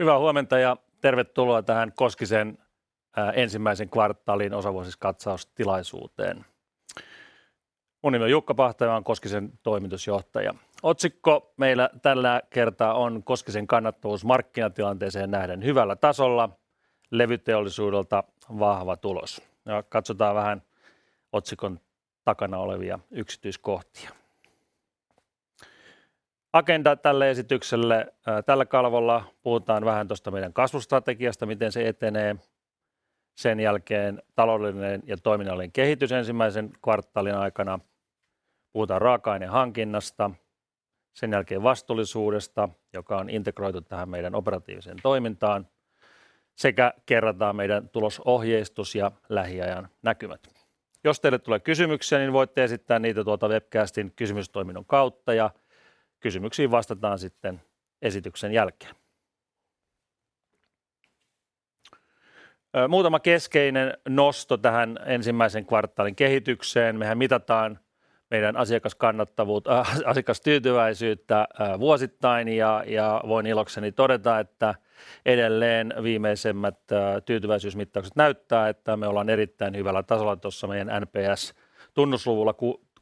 Hyvää huomenta ja tervetuloa tähän Koskisen ensimmäisen kvartaalin osavuosikatsaustilaisuuteen. Mun nimi on Jukka Pahta ja oon Koskisen toimitusjohtaja. Otsikko meillä tällä kertaa on Koskisen kannattavuus markkinatilanteeseen nähden hyvällä tasolla. Levyteollisuudelta vahva tulos. Katsotaan vähän otsikon takana olevia yksityiskohtia. Agenda tälle esitykselle. Tällä kalvolla puhutaan vähän tosta meidän kasvustrategiasta, miten se etenee. Sen jälkeen taloudellinen ja toiminnallinen kehitys ensimmäisen kvartaalin aikana. Puhutaan raaka-ainehankinnasta, sen jälkeen vastuullisuudesta, joka on integroitu tähän meidän operatiiviseen toimintaan sekä kerrataan meidän tulosohjeistus ja lähiajan näkymät. Jos teille tulee kysymyksiä, niin voitte esittää niitä tuolta webcastin kysymystoiminnon kautta ja kysymyksiin vastataan sitten esityksen jälkeen. Muutama keskeinen nosto tähän ensimmäisen kvartaalin kehitykseen. Mehän mitataan meidän asiakaskannattavuutta asiakastyytyväisyyttä vuosittain ja voin ilokseni todeta, että edelleen viimeisimmät tyytyväisyysmittaukset näyttää, että me ollaan erittäin hyvällä tasolla tuossa meidän NPS-tunnusluvulla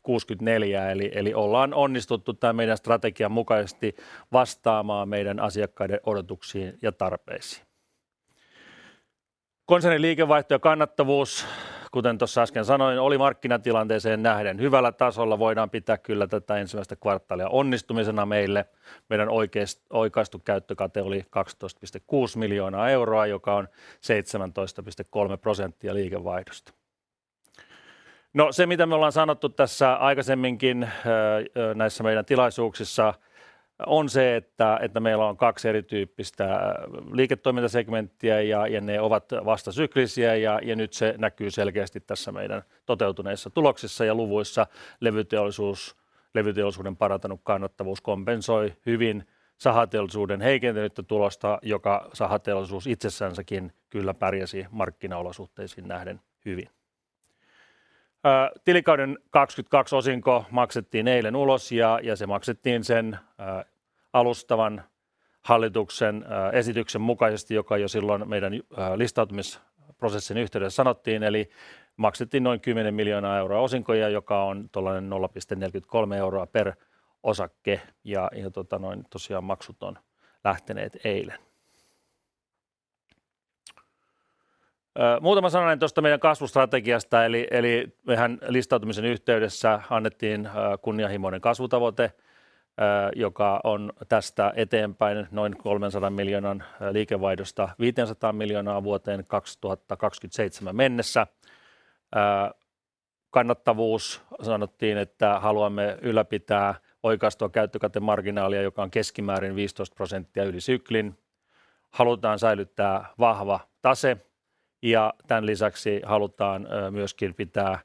64. Ollaan onnistuttu tän meidän strategian mukaisesti vastaamaan meidän asiakkaiden odotuksiin ja tarpeisiin. Konsernin liikevaihto ja kannattavuus. Kuten tuossa äsken sanoin, oli markkinatilanteeseen nähden hyvällä tasolla. Voidaan pitää kyllä tätä ensimmäistä kvartaalia onnistumisena meille. Meidän oikaistu käyttökate oli EUR 12.6 million, joka on 17.3% liikevaihdosta. Se mitä me ollaan sanottu tässä aikaisemminkin näissä meidän tilaisuuksissa on se, että meillä on two erityyppistä liiketoimintasegmenttiä ja ne ovat vastasyklisiä. Nyt se näkyy selkeästi tässä meidän toteutuneissa tuloksissa ja luvuissa. Levyteollisuuden parantanut kannattavuus kompensoi hyvin sahateollisuuden heikentynyttä tulosta, joka sahateollisuus itsessänsäkin kyllä pärjäsi markkinaolosuhteisiin nähden hyvin. Tilikauden 2022 osinko maksettiin eilen ulos ja se maksettiin sen alustavan hallituksen esityksen mukaisesti, joka jo silloin meidän listautumisprosessin yhteydessä sanottiin, eli maksettiin noin EUR 10 million osinkoja, joka on tuollainen EUR 0.43 per osake. Tosiaan maksut on lähteneet eilen. Muutama sananen tuosta meidän kasvustrategiasta. Eli mehän listautumisen yhteydessä annettiin kunnianhimoinen kasvutavoite, joka on tästä eteenpäin noin EUR 300 million liikevaihdosta EUR 500 million vuoteen 2027 mennessä. Kannattavuus. Sanottiin, että haluamme ylläpitää oikaistua käyttökatemarginaalia, joka on keskimäärin 15% yli syklin. Halutaan säilyttää vahva tase ja tämän lisäksi halutaan myöskin pitää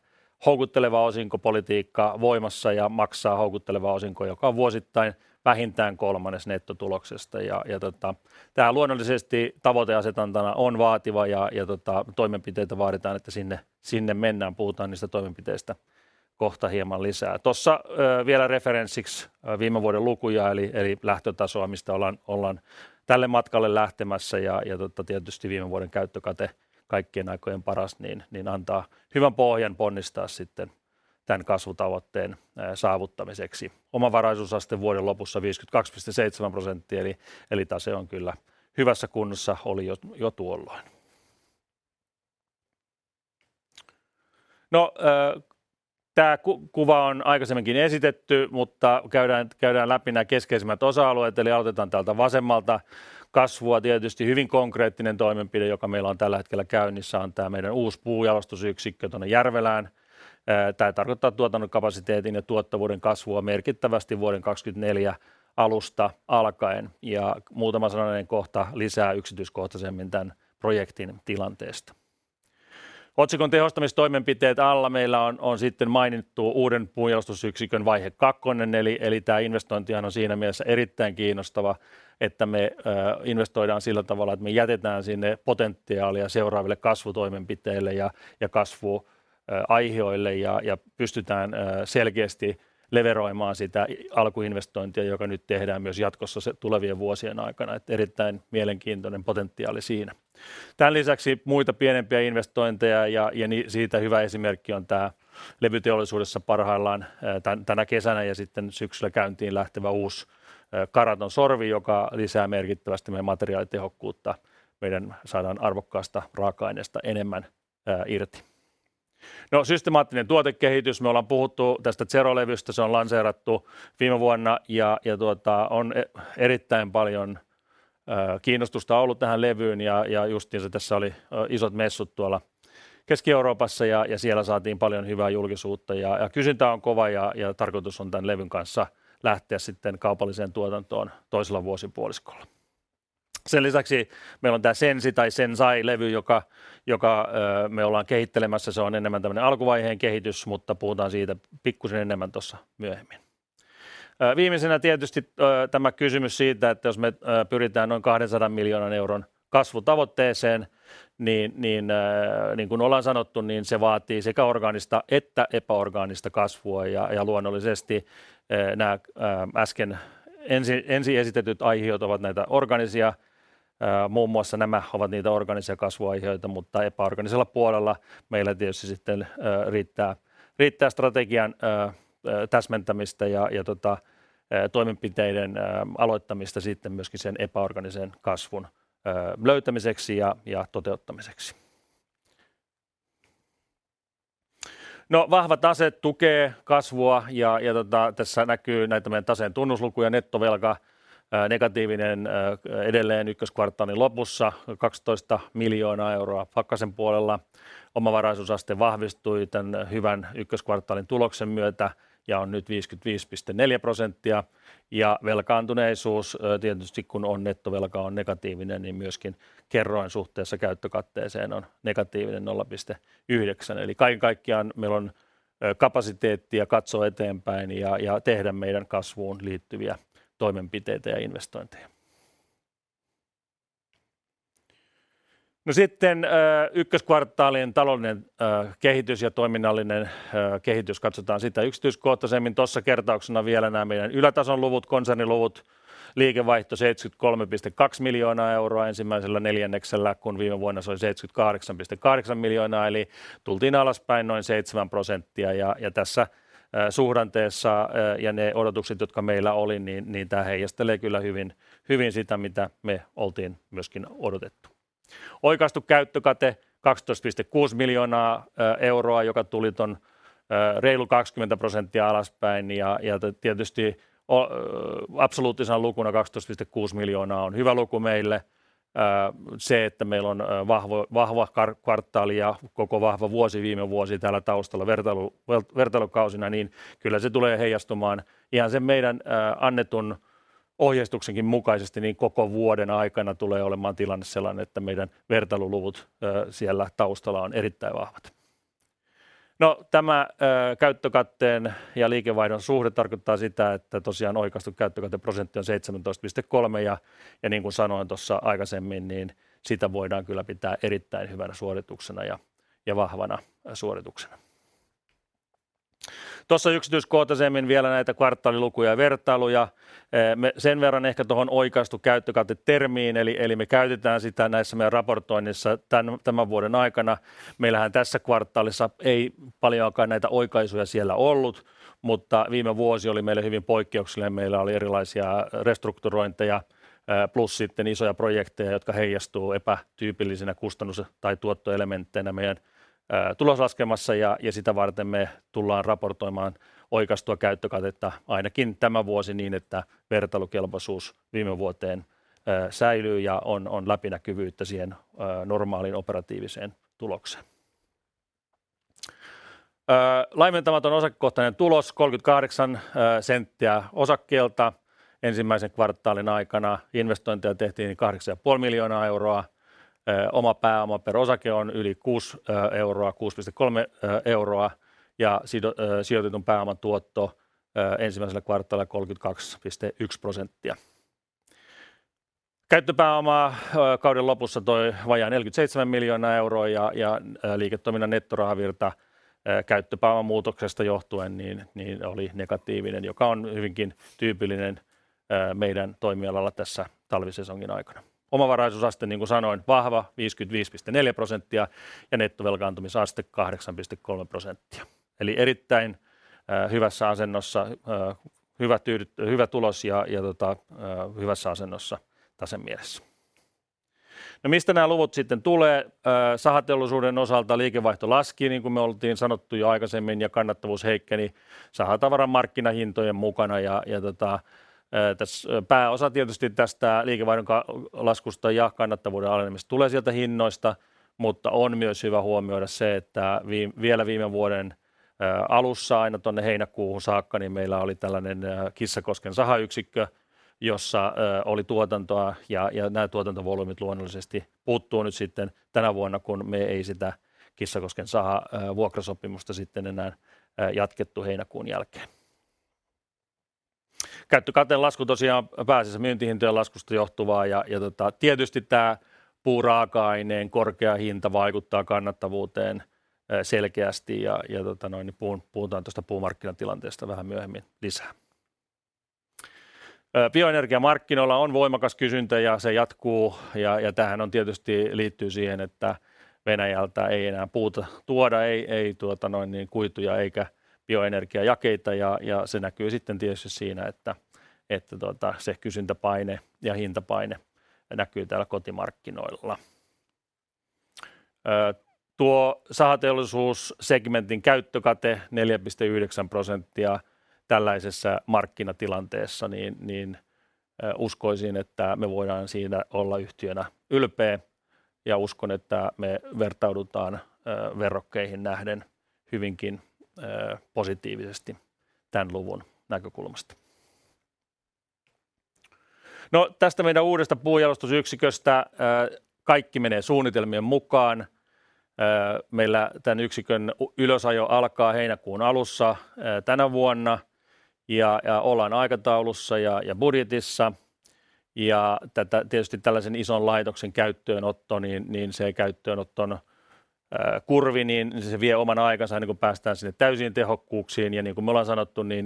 houkutteleva osinkopolitiikka voimassa ja maksaa houkutteleva osinko, joka on vuosittain vähintään kolmannes nettotuloksesta. Ja tota tää luonnollisesti tavoiteasetantana on vaativa ja tota toimenpiteitä vaaditaan, että sinne mennään. Puhutaan niistä toimenpiteistä kohta hieman lisää. Tossa vielä referenssiks viime vuoden lukuja eli lähtötasoa mistä ollaan tälle matkalle lähtemässä. Ja tota tietysti viime vuoden käyttökate kaikkien aikojen paras, niin antaa hyvän pohjan ponnistaa sitten tän kasvutavoitteen saavuttamiseksi. Omavaraisuusaste vuoden lopussa 52.7%. Eli tase on kyllä hyvässä kunnossa, oli jo tuolloin. Kuva on aikaisemmin esitetty, mutta käydään läpi nämä keskeisimmät osa-alueet eli aloitetaan täältä vasemmalta. Kasvua tietysti hyvin konkreettinen toimenpide, joka meillä on tällä hetkellä käynnissä on tää meidän uusi puunjalostusyksikkö tuonne Järvelään. Tää tarkoittaa tuotantokapasiteetin ja tuottavuuden kasvua merkittävästi vuoden 2024 alusta alkaen. Muutama sananen kohta lisää yksityiskohtaisemmin tän projektin tilanteesta. Otsikon tehostamistoimenpiteet alla meillä on sitten mainittu uuden puunjalostusyksikön vaihe 2. Eli tää investointihan on siinä mielessä erittäin kiinnostava, että me investoidaan sillä tavalla, että me jätetään sinne potentiaalia seuraaville kasvutoimenpiteille ja kasvuähioille ja pystytään selkeästi leveroimaan sitä alkuinvestointia, joka nyt tehdään myös jatkossa se tulevien vuosien aikana. Erittäin mielenkiintoinen potentiaali siinä. Tän lisäksi muita pienempiä investointeja ja siitä hyvä esimerkki on tää levyteollisuudessa parhaillaan tänä kesänä ja sitten syksyllä käyntiin lähtevä uusi karaton sorvi, joka lisää merkittävästi meidän materiaalitehokkuutta. Meidän saadaan arvokkaasta raaka-aineesta enemmän irti. Systemaattinen tuotekehitys. Me ollaan puhuttu tästä Zero-levystä. Se on lanseerattu viime vuonna ja erittäin paljon kiinnostusta ollut tähän levyyn. Justiinsa tässä oli isot messut tuolla Keski-Euroopassa ja siellä saatiin paljon hyvää julkisuutta ja kysyntä on kova ja tarkoitus on tän levyn kanssa lähteä sitten kaupalliseen tuotantoon toisella vuosipuoliskolla. Sen lisäksi meillä on tää SENSi- tai Sensai-levy, joka me ollaan kehittelemässä. Se on enemmän tämmönen alkuvaiheen kehitys, mutta puhutaan siitä pikkuisen enemmän tuossa myöhemmin. Viimeisenä tietysti tämä kysymys siitä, että jos me pyritään noin EUR 200 million kasvutavoitteeseen, niin kuin ollaan sanottu, niin se vaatii sekä orgaanista että epäorgaanista kasvua. Luonnollisesti nämä äsken ensin esitetyt aihiot ovat näitä orgaanisia. Muun muassa nämä ovat niitä orgaanisia kasvuaiheita, mutta epäorgaanisella puolella meillä tietysti sitten riittää strategian täsmentämistä ja tota toimenpiteiden aloittamista sitten myöskin sen epäorgaanisen kasvun löytämiseksi ja toteuttamiseksi. Vahva tase tukee kasvua ja tota tässä näkyy näitä meidän taseen tunnuslukuja. Nettovelka negatiivinen edelleen 1. kvartaalin lopussa EUR 12 million pakkasen puolella. Omavaraisuusaste vahvistui tämän hyvän 1. kvartaalin tuloksen myötä ja on nyt 55.4% ja velkaantuneisuus tietysti kun on nettovelka on negatiivinen, niin myöskin kerroin suhteessa käyttökatteeseen on negatiivinen 0.9. Kaiken kaikkiaan meillä on kapasiteettia katsoa eteenpäin ja tehdä meidän kasvuun liittyviä toimenpiteitä ja investointeja. Sitten 1. kvartaalin taloudellinen kehitys ja toiminnallinen kehitys, katsotaan sitä yksityiskohtaisemmin. Tuossa kertauksena vielä nämä meidän ylätason luvut, konserniluvut. Liikevaihto EUR 73.2 million ensimmäisellä neljänneksellä, kun viime vuonna se oli EUR 78.8 million eli tultiin alaspäin noin 7%. Tässä suhdanteessa ja ne odotukset, jotka meillä oli, tää heijastelee kyllä hyvin sitä, mitä me oltiin myöskin odotettu. Oikaistu käyttökate EUR 12.6 million, joka tuli ton over 20% alaspäin. Tietysti absoluuttisena lukuna EUR 12.6 million on hyvä luku meille. Se, että meillä on vahva kvartaali ja koko vahva vuosi viime vuosi täällä taustalla vertailukausina, kyllä se tulee heijastumaan ihan sen meidän annetun ohjeistuksenkin mukaisesti, koko vuoden aikana tulee olemaan tilanne sellainen, että meidän vertailuluvut siellä taustalla on erittäin vahvat. Tämä käyttökätteen ja liikevaihdon suhde tarkoittaa sitä, että tosiaan oikaistu käyttökateprosentti on 17.3, ja niin kuin sanoin tuossa aikaisemmin, sitä voidaan kyllä pitää erittäin hyvänä suorituksena ja vahvana suorituksena. Tuossa yksityiskohtaisemmin vielä näitä kvartaalilukuja ja vertailuja. Me sen verran ehkä tuohon oikaistu käyttökate -termiin eli me käytetään sitä näissä meidän raportoinnissa tämän vuoden aikana. Meillähän tässä kvartaalissa ei paljoakaan näitä oikaisuja siellä ollut, mutta viime vuosi oli meille hyvin poikkeuksellinen. Meillä oli erilaisia restrukturointeja plus sitten isoja projekteja, jotka heijastuu epätyypillisenä kustannus- tai tuottoelementteinä meidän tuloslaskelmassa ja sitä varten me tullaan raportoimaan oikaistua käyttökatetta ainakin tämä vuosi niin, että vertailukelpoisuus viime vuoteen säilyy ja on läpinäkyvyyttä siihen normaaliin operatiiviseen tulokseen. Laimentamaton osakekohtainen tulos EUR 0.38 osakkeelta ensimmäisen kvartaalin aikana. Investointeja tehtiin EUR 8.5 million. Oma pääoma per osake on yli EUR 6, EUR 6.3, ja sijoitetun pääoman tuotto ensimmäisellä kvartaalilla 32.1%. Käyttöpääomaa kauden lopussa toi vajaa EUR 47 million ja liiketoiminnan nettorahavirta käyttöpääoman muutoksesta johtuen niin oli negatiivinen, joka on hyvinkin tyypillinen meidän toimialalla tässä talvisesongin aikana. Omavaraisuusaste niin kuin sanoin, vahva 55.4% ja nettovelkaantumisaste 8.3% eli erittäin hyvässä asennossa. Hyvä tulos ja tota hyvässä asennossa tase mielessä. Mistä nää luvut sitten tulee? Sahateollisuuden osalta liikevaihto laski niin kuin me oltiin sanottu jo aikaisemmin ja kannattavuus heikkeni sahatavaran markkinahintojen mukana. Ja tota tässä pääosa tietysti tästä liikevaihdon laskusta ja kannattavuuden alenemisesta tulee sieltä hinnoista, mutta on myös hyvä huomioida se, että vielä viime vuoden alussa aina tuonne heinäkuuhun saakka, niin meillä oli tällainen Kissakosken sahayksikkö, jossa oli tuotantoa ja nää tuotantovolyymit luonnollisesti puuttuu nyt sitten tänä vuonna, kun me ei sitä Kissakosken sahan vuokrasopimusta sitten enää jatkettu heinäkuun jälkeen. Käyttökateen lasku tosiaan pääasiassa myyntihintojen laskusta johtuvaa ja tota tietysti tää puuraaka-aineen korkea hinta vaikuttaa kannattavuuteen selkeästi. Ja tota noin niin puhutaan tuosta puumarkkinatilanteesta vähän myöhemmin lisää. Bioenergiamarkkinoilla on voimakas kysyntä ja se jatkuu. Täähän on tietysti liittyy siihen, että Venäjältä ei enää puuta tuoda, kuituja eikä bioenergiajakeita. Se näkyy sitten tietysti siinä, että se kysyntäpaine ja hintapaine näkyy täällä kotimarkkinoilla. Tuo sahateollisuussegmentin käyttökate 4.9% tällaisessa markkinatilanteessa, uskoisin, että me voidaan siitä olla yhtiönä ylpeä ja uskon, että me vertaudutaan verrokkeihin nähden hyvinkin positiivisesti tän luvun näkökulmasta. Tästä meidän uudesta puunjalostusyksiköstä kaikki menee suunnitelmien mukaan. Meillä tän yksikön ylösajo alkaa heinäkuun alussa tänä vuonna ja ollaan aikataulussa ja budjetissa. Tätä tietysti tällaisen ison laitoksen käyttöönotto, Kurvi se vie oman aikansa ennen kuin päästään sinne täysiin tehokkuuksiin. Niin kuin me ollaan sanottu, niin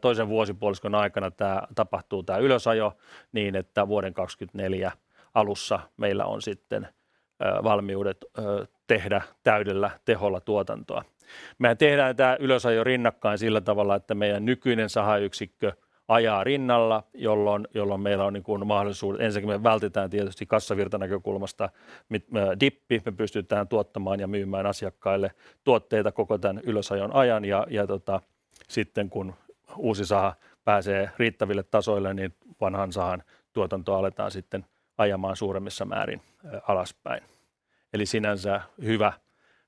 toisen vuosipuoliskon aikana tämä tapahtuu tämä ylösajo niin että vuoden 2024 alussa meillä on sitten valmiudet tehdä täydellä teholla tuotantoa. Mehän tehdään tämä ylösajo rinnakkain sillä tavalla, että meidän nykyinen sahayksikkö ajaa rinnalla, jolloin meillä on niin kuin mahdollisuus ensinnäkin me vältytään tietysti kassavirtanäkökulmasta dippi me pystytään tuottamaan ja myymään asiakkaille tuotteita koko tämän ylösajon ajan. Sitten kun uusi saha pääsee riittäville tasoille, niin vanhan sahan tuotantoa aletaan sitten ajamaan suuremmissa määrin alaspäin. Sinänsä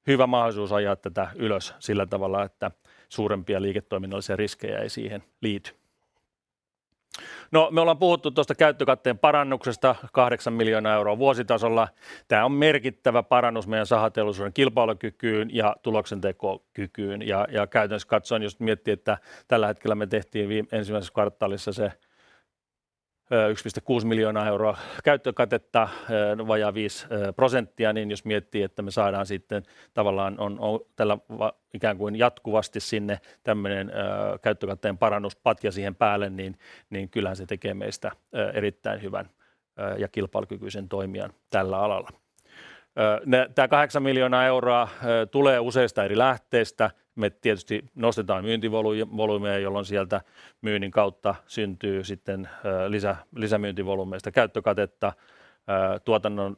hyvä mahdollisuus ajaa tätä ylös sillä tavalla, että suurempia liiketoiminnallisia riskejä ei siihen liity. Me ollaan puhuttu tuosta käyttökatteen parannuksesta EUR 8 million vuositasolla. Tämä on merkittävä parannus meidän sahateollisuuden kilpailukykyyn ja tuloksentekokykyyn. Käytännössä katsoen just miettii, että tällä hetkellä me tehtiin ensimmäisessä kvartaalissa se EUR 1.6 million käyttökatetta, vajaa 5%. Jos miettii, että me saadaan sitten tavallaan on tällä ikään kuin jatkuvasti sinne tämmöinen käyttökatteen parannuspatja siihen päälle, niin kyllähän se tekee meistä erittäin hyvän ja kilpailukykyisen toimijan tällä alalla. Tämä EUR 8 million tulee useista eri lähteistä. Me tietysti nostetaan myyntivolyymeja, jolloin sieltä myynnin kautta syntyy sitten lisämyyntivolyymeista käyttökatetta. Tuotannon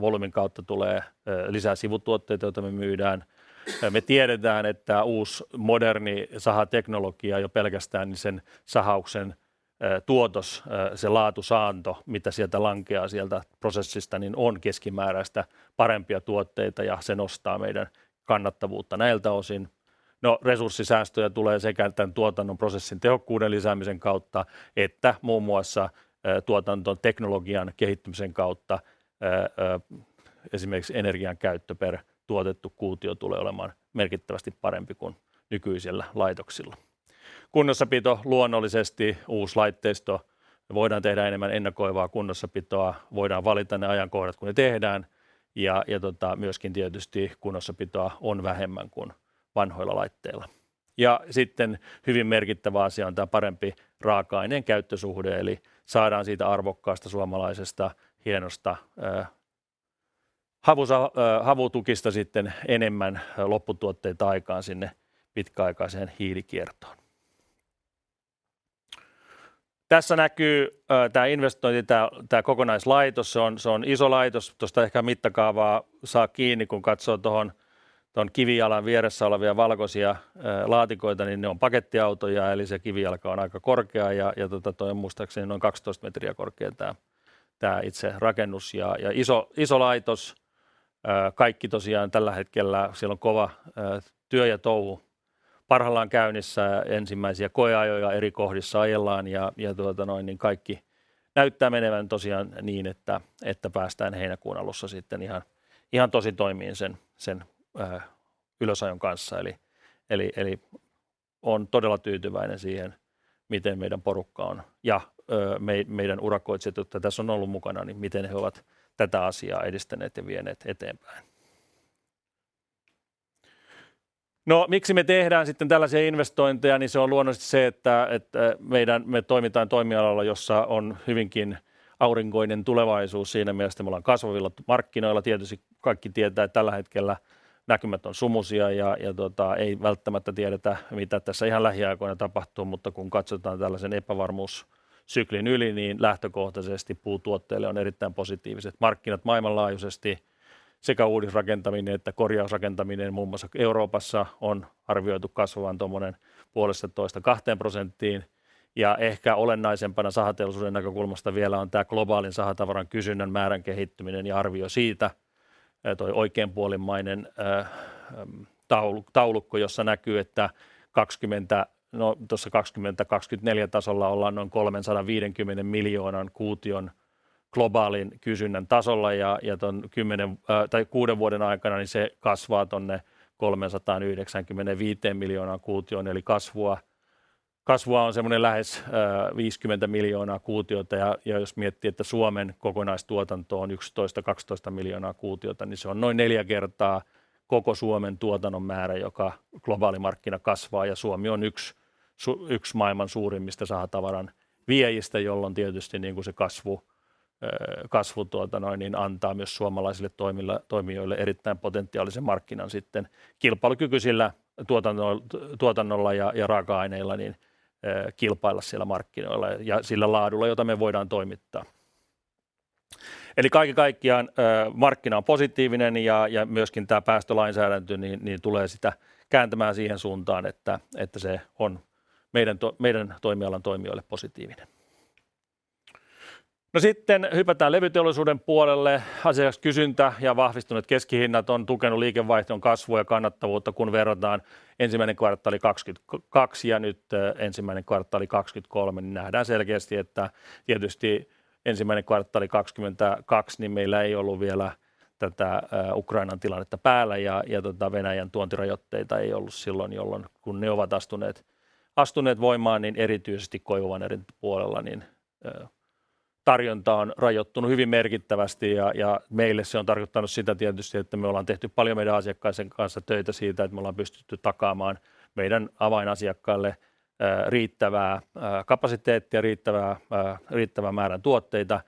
volyymin kautta tulee lisää sivutuotteita, joita me myydään. Me tiedetään, että uusi moderni sahateknologia jo pelkästään sen sahauksen tuotos, se laatusaanto mitä sieltä lankeaa sieltä prosessista niin on keskimääräistä parempia tuotteita ja se nostaa meidän kannattavuutta näiltä osin. Resurssisäästöjä tulee sekä tämän tuotannon prosessin tehokkuuden lisäämisen kautta että muun muassa tuotantoteknologian kehittymisen kautta. Esimerkiksi energiankäyttö per tuotettu kuutio tulee olemaan merkittävästi parempi kuin nykyisillä laitoksilla. Kunnossapito luonnollisesti uusi laitteisto. Me voidaan tehdä enemmän ennakoivaa kunnossapitoa, voidaan valita ne ajankohdat, kun ne tehdään. Myöskin tietysti kunnossapitoa on vähemmän kuin vanhoilla laitteilla. Sitten hyvin merkittävä asia on tämä parempi raaka-aineen käyttösuhde. Saadaan siitä arvokkaasta suomalaisesta hienosta havutukista sitten enemmän lopputuotteita aikaan sinne pitkäaikaiseen hiilikiertoon. Tässä näkyy tää investointi, tää kokonaislaitos. Se on iso laitos. Tuosta ehkä mittakaavaa saa kiinni kun katsoo tuohon tuon kivijalan vieressä olevia valkoisia laatikoita niin ne on pakettiautoja. Se kivijalka on aika korkea toi on muistaakseni noin 12 metriä korkea tää itse rakennus ja iso laitos. Kaikki tosiaan tällä hetkellä siellä on kova työ ja touhu parhaillaan käynnissä. Ensimmäisiä koeajoja eri kohdissa ajellaan ja kaikki näyttää menevän tosiaan niin että päästään heinäkuun alussa sitten ihan tositoimiin sen ylösajon kanssa eli oon todella tyytyväinen siihen, miten meidän porukka on ja meidän urakoitsijat, jota tässä on ollut mukana, niin miten he ovat tätä asiaa edistäneet ja vieneet eteenpäin. Miksi me tehdään sitten tällaisia investointeja? Se on luonnollisesti se, että me toimitaan toimialalla, jossa on hyvinkin aurinkoinen tulevaisuus siinä mielessä, että me ollaan kasvavilla markkinoilla. Tietysti kaikki tietää, että tällä hetkellä näkymät on sumuisia ja ei välttämättä tiedetä mitä tässä ihan lähiaikoina tapahtuu, mutta kun katsotaan tällaisen epävarmuussyklin yli, niin lähtökohtaisesti puutuotteille on erittäin positiiviset markkinat maailmanlaajuisesti. Sekä uudisrakentaminen että korjausrakentaminen muun muassa Euroopassa on arvioitu kasvavan tuommoinen 1.5-2%. Ehkä olennaisempana sahateollisuuden näkökulmasta vielä on tämä globaalin sahatavaran kysynnän määrän kehittyminen ja arvio siitä. Toi oikeenpuolimmainen taulukko, jossa näkyy, että 2024 tasolla ollaan noin 350 miljoonaa kuution globaalin kysynnän tasolla ja tuon 10 tai 6 vuoden aikana niin se kasvaa tuonne 395 miljoonaan kuutioon eli kasvua on semmoinen lähes 50 miljoonaa kuutiota. Jos miettii, että Suomen kokonaistuotanto on 11-12 miljoonaa kuutiota, niin se on noin 4 kertaa koko Suomen tuotannon määrä, joka globaali markkina kasvaa ja Suomi on yks maailman suurimmista sahatavaran viejistä, jolloin tietysti niinkun se kasvu tuota noin niin antaa myös suomalaisille toimijoille erittäin potentiaalisen markkinan sitten kilpailukykyisillä tuotannolla ja raaka-aineilla niin kilpailla siellä markkinoilla ja sillä laadulla, jota me voidaan toimittaa. Kaiken kaikkiaan markkina on positiivinen ja myöskin tämä päästölainsäädäntö niin tulee sitä kääntämään siihen suuntaan, että se on meidän toimialan toimijoille positiivinen. Sitten hypätään levyteollisuuden puolelle. Asiakaskysyntä ja vahvistuneet keskihinnat on tukenut liikevaihdon kasvua ja kannattavuutta kun verrataan ensimmäinen kvartaali 2022 ja nyt ensimmäinen kvartaali 2023, niin nähdään selkeästi, että tietysti ensimmäinen kvartaali 2022 niin meillä ei ollut vielä tätä Ukrainan tilannetta päällä ja tota Venäjän tuontirajoitteita ei ollut silloin, jolloin kun ne ovat astuneet voimaan, niin erityisesti koivuvanerin puolella niin Tarjonta on rajoittunut hyvin merkittävästi ja meille se on tarkoittanut sitä tietysti, että me ollaan tehty paljon meidän asiakkaiden kanssa töitä siitä, että me ollaan pystytty takaamaan meidän avainasiakkaille riittävää kapasiteettia, riittävää määrän tuotteita.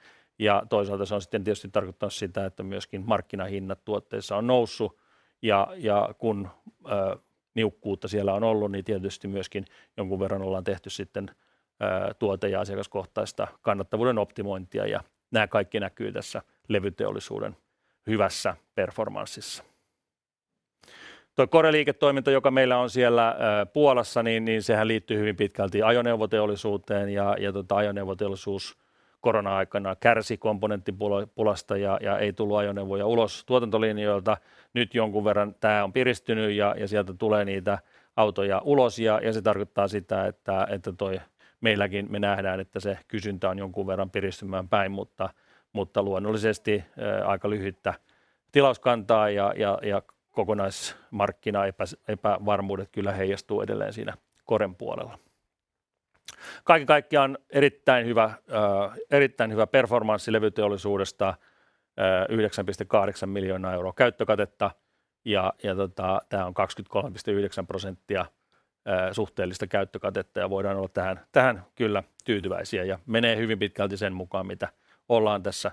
Toisaalta se on sitten tietysti tarkoittanut sitä, että myöskin markkinahinnat tuotteissa on noussut. Ja kun niukkuutta siellä on ollu, niin tietysti myöskin jonkun verran ollaan tehty sitten tuote- ja asiakaskohtaista kannattavuuden optimointia. Nää kaikki näkyy tässä levyteollisuuden hyvässä performanssissa. Toi Kore-liiketoiminta, joka meillä on siellä Puolassa, niin sehän liittyy hyvin pitkälti ajoneuvoteollisuuteen ja ajoneuvoteollisuus korona-aikana kärsi komponenttipulasta ja ei tullu ajoneuvoja ulos tuotantolinjoilta. Nyt jonkun verran tää on piristyny ja sieltä tulee niitä autoja ulos ja se tarkoittaa sitä, että meilläkin me nähdään, että se kysyntä on jonkun verran piristymään päin, mutta luonnollisesti aika lyhyttä tilauskantaa ja kokonaismarkkinaepävarmuudet kyllä heijastuu edelleen siinä Koren puolella. Kaiken kaikkiaan erittäin hyvä performanssi levyteollisuudesta. Yhdeksän piste kahdeksan miljoonaa EUR käyttökatetta ja tää on 23.9% suhteellista käyttökatetta. Voidaan olla tähän kyllä tyytyväisiä ja menee hyvin pitkälti sen mukaan, mitä ollaan tässä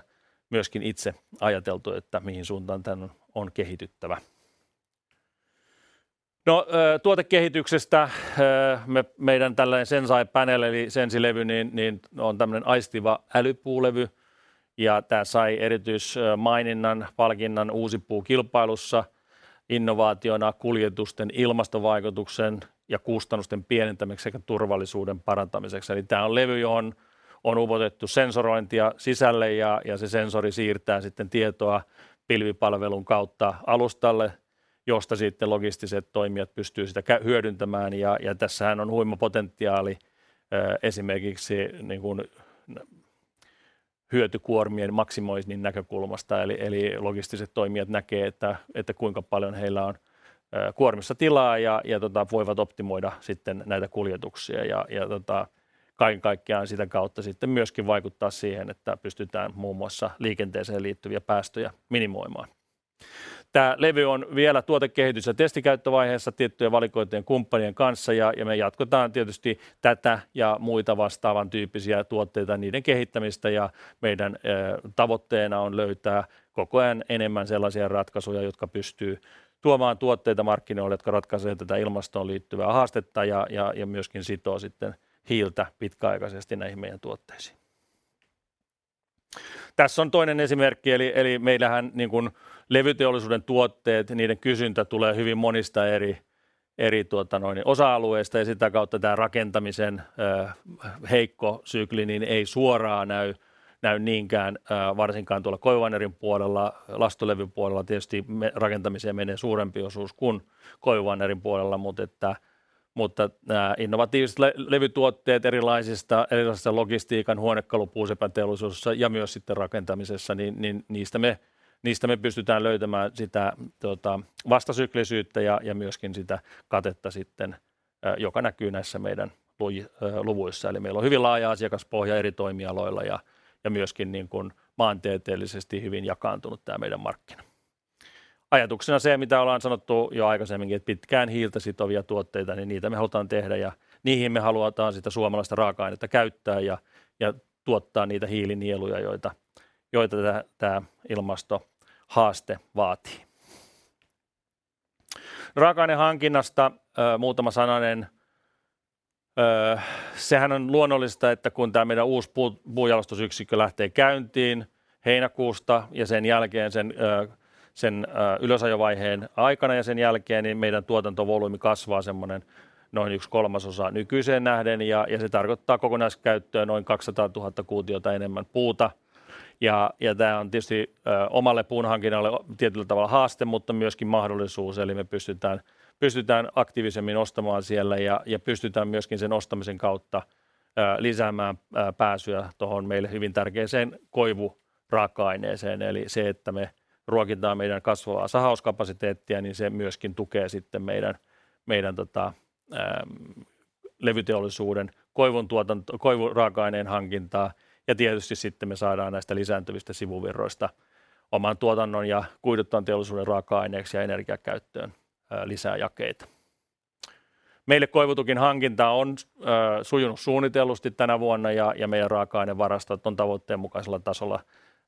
myöskin itse ajateltu, että mihin suuntaan tän on kehityttävä. Tuotekehityksestä. Meidän tällainen SENSi Panel eli SENSi Levy niin on tämmönen aistiva älypuulevy ja tää sai erityismaininnan palkinnon Uusi Puu -kilpailussa innovaationa kuljetusten ilmastovaikutuksen ja kustannusten pienentämiseksi sekä turvallisuuden parantamiseksi. Tää on levy, johon on upotettu sensorointia sisälle ja se sensori siirtää sitten tietoa pilvipalvelun kautta alustalle, josta sitten logistiset toimijat pystyy sitä hyödyntämään. Tässähän on huima potentiaali esimerkiksi niin kun hyötykuormien maksimoinnin näkökulmasta. Logistiset toimijat näkee, että kuinka paljon heillä on kuormassa tilaa ja tota voivat optimoida sitten näitä kuljetuksia ja tota kaiken kaikkiaan sitä kautta sitten myöskin vaikuttaa siihen, että pystytään muun muassa liikenteeseen liittyviä päästöjä minimoimaan. Tää levy on vielä tuotekehitys- ja testikäyttövaiheessa tiettyjen valikoitujen kumppanien kanssa ja me jatketaan tietysti tätä ja muita vastaavantyyppisiä tuotteita, niiden kehittämistä. Meidän tavoitteena on löytää koko ajan enemmän sellaisia ratkaisuja, jotka pystyy tuomaan tuotteita markkinoille, jotka ratkasee tätä ilmastoon liittyvää haastetta ja myöskin sitoo sitten hiiltä pitkäaikasesti näihin meidän tuotteisiin. Tässä on toinen esimerkki. Eli meillähän niin kun levyteollisuuden tuotteet, niiden kysyntä tulee hyvin monista eri tuota noin niin osa-alueista ja sitä kautta tää rakentamisen heikko sykli niin ei suoraan näy niinkään varsinkaan tuolla koivuvanerin puolella. Lastulevyn puolella tietysti me rakentamiseen menee suurempi osuus kun koivuvanerin puolella, mut että mutta nää innovatiiviset levytuotteet erilaisissa logistiikan huonekalu- puusepänteollisuudessa ja myös sitten rakentamisessa, niin niistä me pystytään löytämään sitä tuota vastasyklisyyttä ja myöskin sitä katetta sitten joka näkyy näissä meidän luji luvuissa. Meillä on hyvin laaja asiakaspohja eri toimialoilla ja myöskin niin kuin maantieteellisesti hyvin jakaantunut tämä meidän markkina. Ajatuksena se, mitä ollaan sanottu jo aikaisemminkin, että pitkään hiiltä sitovia tuotteita, niin niitä me halutaan tehdä ja niihin me halutaan sitä suomalaista raaka-ainetta käyttää ja tuottaa niitä hiilinieluja, joita tämä ilmastohaaste vaatii. Raaka-ainehankinnasta muutama sananen. Sehän on luonnollista, että kun tämä meidän uusi puunjalostusyksikkö lähtee käyntiin heinäkuussa ja sen jälkeen sen ylösajovaiheen aikana ja sen jälkeen, niin meidän tuotantovolyymi kasvaa sellainen noin 1/3 nykyiseen nähden ja se tarkoittaa kokonaiskäyttöön noin 200,000 kuutiota enemmän puuta. Tämä on tietysti omalle puunhankinnalle tietyllä tavalla haaste, mutta myöskin mahdollisuus. Me pystytään aktiivisemmin ostamaan siellä ja pystytään myöskin sen ostamisen kautta lisäämään pääsyä tuohon meille hyvin tärkeään koivuraaka-aineeseen. Se, että me ruokitaan meidän kasvavaa sahauskapasiteettia, niin se myöskin tukee sitten meidän levyteollisuuden koivuntuotanto koivuraaka-aineen hankintaa. Tietysti sitten me saadaan näistä lisääntyvistä sivuvirroista oman tuotannon ja kuiduttoman teollisuuden raaka-aineeksi ja energiakäyttöön lisäjakeita. Meille koivutukin hankinta on sujunut suunnitellusti tänä vuonna ja meidän raaka-ainevarastot on tavoitteenmukaisella tasolla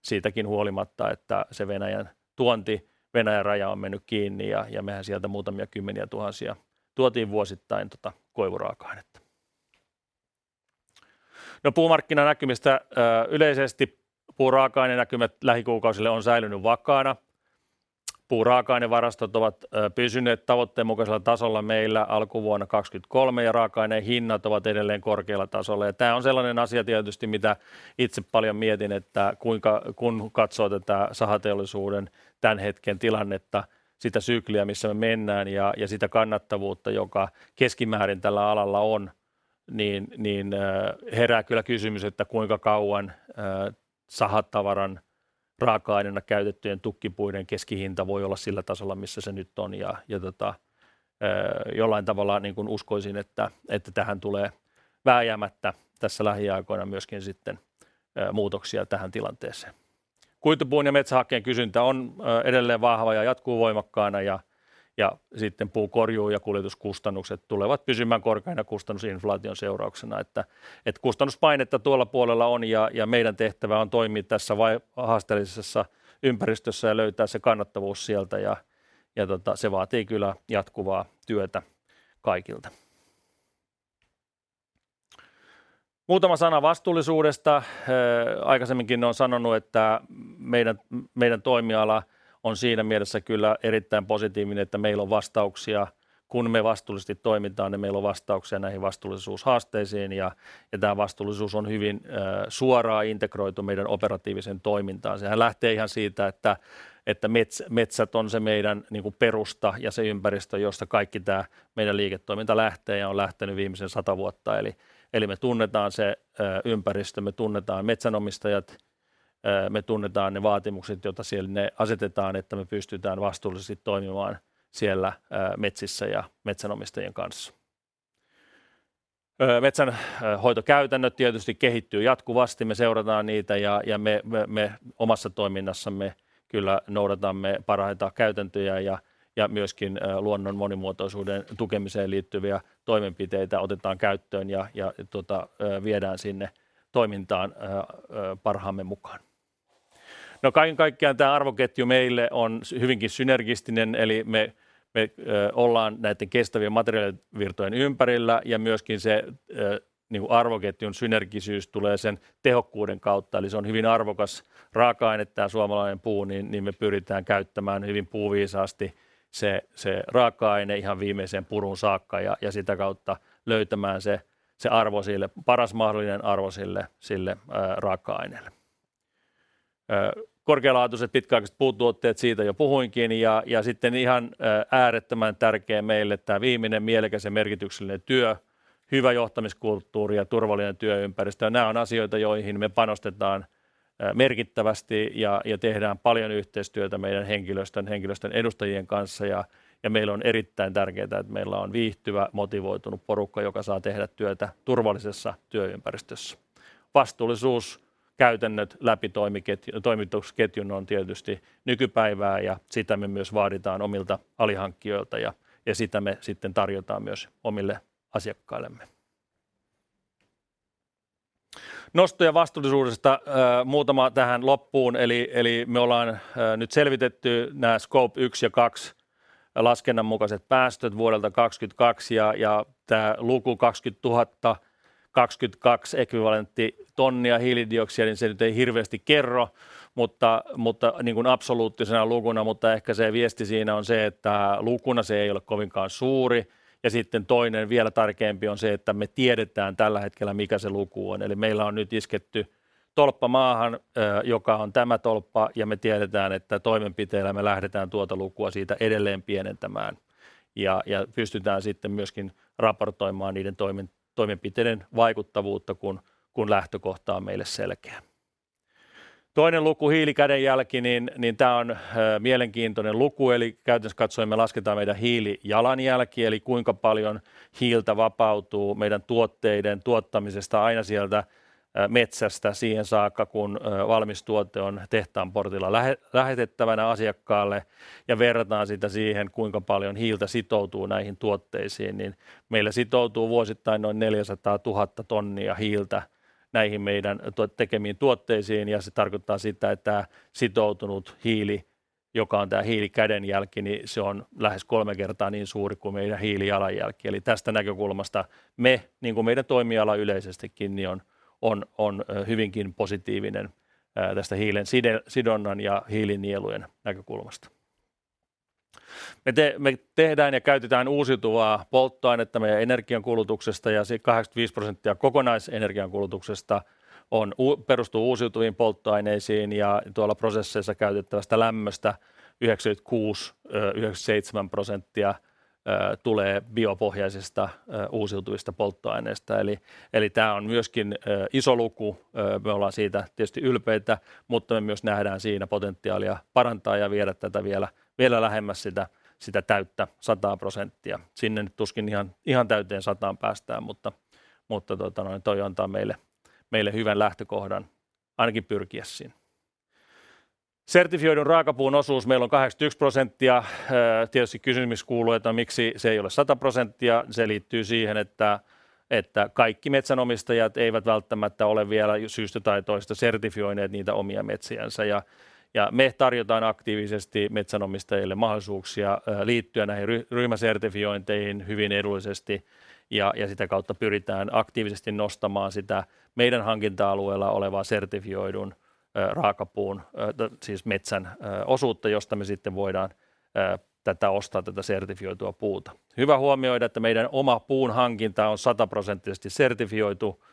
siitäkin huolimatta, että se Venäjän tuonti Venäjän raja on menny kiinni. Mehän sieltä muutamia kymmeniätuhansia tuotiin vuosittain koivuraaka-ainetta. Puumarkkinanäkymistä yleisesti. Puuraaka-ainenäkymät lähikuukausille on säilyny vakaana. Puuraaka-ainevarastot ovat pysyneet tavoitteenmukaisella tasolla meillä alkuvuonna 2023 ja raaka-aineen hinnat ovat edelleen korkealla tasolla. Tää on sellanen asia tietysti, mitä itse paljon mietin, että kuinka kun katsoo tätä sahateollisuuden tän hetken tilannetta, sitä sykliä missä me mennään, sitä kannattavuutta, joka keskimäärin tällä alalla on, herää kyllä kysymys, että kuinka kauan sahatavaran raaka-aineena käytettyjen tukkipuiden keskihinta voi olla sillä tasolla, missä se nyt on. Jollain tavalla uskoisin, että tähän tulee vääjäämättä tässä lähiaikoina myöskin sitten muutoksia tähän tilanteeseen. Kuitupuun ja metsähakkeen kysyntä on edelleen vahvaa ja jatkuu voimakkaana, sitten puunkorjuu ja kuljetuskustannukset tulevat pysymään korkeina kustannusinflaation seurauksena. Kustannuspainetta tuolla puolella on ja meidän tehtävä on toimia tässä haasteellisessa ympäristössä ja löytää se kannattavuus sieltä. Se vaatii kyllä jatkuvaa työtä kaikilta. Muutama sana vastuullisuudesta. Aikaisemminkin olen sanonut, että meidän toimiala on siinä mielessä kyllä erittäin positiivinen, että meillä on vastauksia. Me vastuullisesti toimitaan, niin meillä on vastauksia näihin vastuullisuushaasteisiin. Tämä vastuullisuus on hyvin suoraan integroitu meidän operatiiviseen toimintaan. Sehän lähtee ihan siitä, että metsät on se meidän niinkun perusta ja se ympäristö, josta kaikki tää meidän liiketoiminta lähtee ja on lähtenyt viimeisen 100 vuotta. Me tunnetaan se ympäristö. Me tunnetaan metsänomistajat. Me tunnetaan ne vaatimukset, joita sinne asetetaan, että me pystytään vastuullisesti toimimaan siellä metsissä ja metsänomistajien kanssa. Metsänhoitokäytännöt tietysti kehittyy jatkuvasti. Me seurataan niitä ja me omassa toiminnassamme kyllä noudatamme parhaita käytäntöjä ja myöskin luonnon monimuotoisuuden tukemiseen liittyviä toimenpiteitä otetaan käyttöön ja tota viedään sinne toimintaan parhaamme mukaan. Kaiken kaikkiaan tämä arvoketju meille on hyvinkin synergistinen. Me ollaan näitten kestävien materiaalivirtojen ympärillä ja myöskin arvoketjun synergisyys tulee sen tehokkuuden kautta, eli se on hyvin arvokas raaka-aine tämä suomalainen puu, niin me pyritään käyttämään hyvin puuviisaasti se raaka-aine ihan viimeiseen puruun saakka ja sitä kautta löytämään se arvo sille. Paras mahdollinen arvo sille raaka-aineelle. Korkealaatuiset pitkäaikaiset puutuotteet. Siitä jo puhuinkin. Sitten ihan äärettömän tärkeä meille tämä viimeinen mielekäs ja merkityksellinen työ. Hyvä johtamiskulttuuri ja turvallinen työympäristö. Nämä on asioita, joihin me panostetaan merkittävästi ja tehdään paljon yhteistyötä meidän henkilöstön edustajien kanssa. Meille on erittäin tärkeää, että meillä on viihtyvä, motivoitunut porukka, joka saa tehdä työtä turvallisessa työympäristössä. Vastuullisuuskäytännöt läpi toimitusketjun on tietysti nykypäivää ja sitä me myös vaaditaan omilta alihankkijoilta ja sitä me sitten tarjotaan myös omille asiakkaillemme. Nostoja vastuullisuudesta muutama tähän loppuun. Eli me ollaan nyt selvitetty nää Scope 1 ja 2 laskennan mukaiset päästöt vuodelta 2022 ja tämä luku 20,022 ekvivalenttitonnia hiilidioksidia, niin se nyt ei hirveästi kerro, mutta niin kun absoluuttisena lukuna. Ehkä se viesti siinä on se, että lukuna se ei ole kovinkaan suuri. Sitten toinen vielä tärkeämpi on se, että me tiedetään tällä hetkellä mikä se luku on. Eli meillä on nyt isketty tolppa maahan, joka on tämä tolppa ja me tiedetään, että toimenpiteillä me lähdetään tuota lukua siitä edelleen pienentämään ja pystytään sitten myöskin raportoimaan niiden toimenpiteiden vaikuttavuutta, kun lähtökohta on meille selkeä. Toinen luku hiilikädenjälki, niin tämä on mielenkiintoinen luku. Käytännössä katsoen me lasketaan meidän hiilijalanjälki eli kuinka paljon hiiltä vapautuu meidän tuotteiden tuottamisesta aina sieltä metsästä siihen saakka, kun valmis tuote on tehtaan portilla lähetettävänä asiakkaalle ja verrataan sitä siihen, kuinka paljon hiiltä sitoutuu näihin tuotteisiin, niin meillä sitoutuu vuosittain noin 400,000 tonnia hiiltä näihin meidän tekemiin tuotteisiin ja se tarkoittaa sitä, että sitoutunut hiili, joka on tämä hiilikädenjälki, niin se on lähes kolme kertaa niin suuri kuin meidän hiilijalanjälki. Tästä näkökulmasta me niinkun meidän toimiala yleisestikin niin on hyvinkin positiivinen tästä hiilen sidonnan ja hiilinielujen näkökulmasta. Me tehdään ja käytetään uusiutuvaa polttoainetta meidän energiankulutuksesta ja 85% kokonaisenergiankulutuksesta perustuu uusiutuviin polttoaineisiin ja tuolla prosesseissa käytettävästä lämmöstä 96%-97% tulee biopohjaisista uusiutuvista polttoaineista. Tämä on myöskin iso luku. Me ollaan siitä tietysti ylpeitä, mutta me myös nähdään siinä potentiaalia parantaa ja viedä tätä vielä lähemmäs sitä täyttä 100%. Sinne nyt tuskin ihan täyteen 100 päästään, mutta toi antaa meille hyvän lähtökohdan ainakin pyrkiä sinne. Sertifioidun raakapuun osuus meillä on 81%. Tietysti kysymys kuuluu, että miksi se ei ole 100%. Se liittyy siihen, että kaikki metsänomistajat eivät välttämättä ole vielä syystä tai toisesta sertifioineet niitä omia metsiänsä ja me tarjotaan aktiivisesti metsänomistajille mahdollisuuksia liittyä näihin ryhmäsertifiointeihin hyvin edullisesti ja sitä kautta pyritään aktiivisesti nostamaan sitä meidän hankinta-alueella olevaa sertifioidun raakapuun siis metsän osuutta, josta me sitten voidaan tätä ostaa tätä sertifioitua puuta. Hyvä huomioida, että meidän oma puunhankinta on 100% sertifioitu.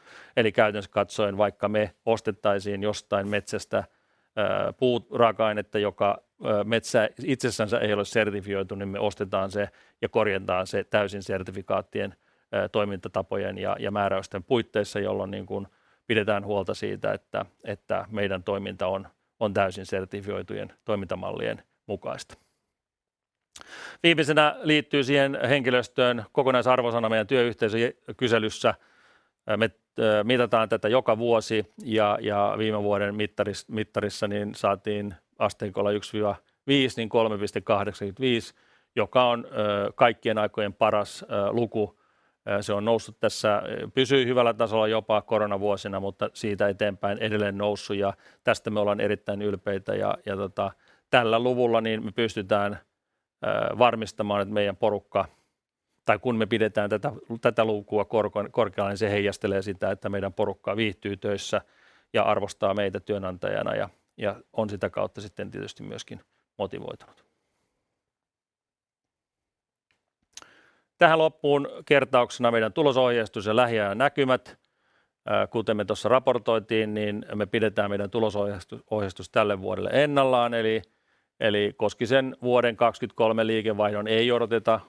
Käytännössä katsoen, vaikka me ostettaisiin jostain metsästä puuraaka-ainetta, joka metsä itsessänsä ei ole sertifioitu, niin me ostetaan se ja korjataan se täysin sertifikaattien toimintatapojen ja määräysten puitteissa, jolloin pidetään huolta siitä, että meidän toiminta on täysin sertifioitujen toimintamallien mukaista. Viimeisenä liittyy siihen henkilöstöön kokonaisarvosana meidän työyhteisökyselyssä. Me mitataan tätä joka vuosi ja viime vuoden mittarissa niin saatiin asteikolla 1-5 niin 3.85, joka on kaikkien aikojen paras luku. Se on noussut tässä, pysyi hyvällä tasolla jopa koronavuosina, mutta siitä eteenpäin edelleen noussut ja tästä me ollaan erittäin ylpeitä. Tota tällä luvulla niin me pystytään varmistamaan, että meidän porukka, tai kun me pidetään tätä lukua korkealla, niin se heijastelee sitä, että meidän porukka viihtyy töissä ja arvostaa meitä työnantajana ja on sitä kautta sitten tietysti myöskin motivoitunut. Tähän loppuun kertauksena meidän tulosohjeistus ja lähiajan näkymät. Kuten me tuossa raportoitiin, niin me pidetään meidän tulosohjeistus tälle vuodelle ennallaan eli Koskisen vuoden 2023 liikevaihdon ei odoteta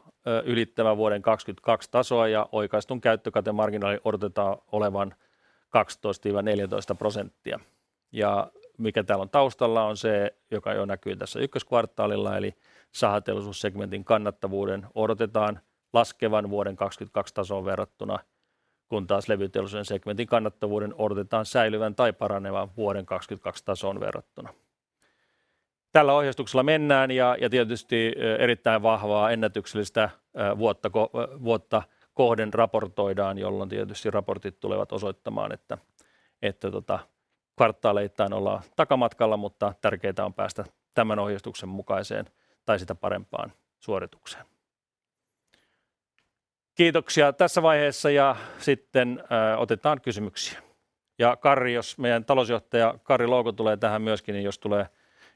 ylittävän vuoden 2022 tasoa ja oikaistun käyttökatemarginaalin odotetaan olevan 12%-14%. Mikä täällä on taustalla on se, joka jo näkyi tässä 1Q:lla eli sahateollisuussegmentin kannattavuuden odotetaan laskevan vuoden 2022 tasoon verrattuna, kun taas levyteollisuuden segmentin kannattavuuden odotetaan säilyvän tai paranevan vuoden 2022 tasoon verrattuna. Tällä ohjeistuksella mennään ja tietysti erittäin vahvaa ennätyksellistä vuotta kohden raportoidaan, jolloin tietysti raportit tulevat osoittamaan, että kvartaaleittain ollaan takamatkalla, mutta tärkeetä on päästä tämän ohjeistuksen mukaiseen tai sitä parempaan suoritukseen. Kiitoksia tässä vaiheessa ja sitten otetaan kysymyksiä. Karri, jos meidän Talousjohtaja Karri Louko tulee tähän myöskin, niin